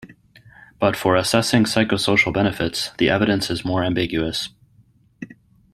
But for assessing psychosocial benefits, the evidence is more ambiguous.